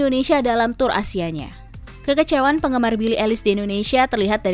di ahli handheld pembawaan nova central